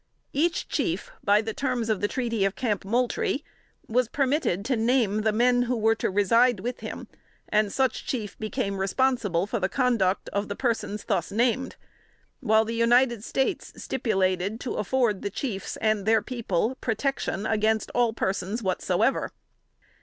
Each chief, by the terms of the treaty of Camp Moultrie, was permitted to name the men who were to reside with him, and such chief became responsible for the conduct of the persons thus named; while the United States stipulated to "afford the chiefs and their people protection against all persons whatsoever."